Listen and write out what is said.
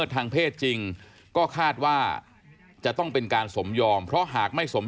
ร้องร้องร้องร้องร้องร้องร้องร้องร้องร้อง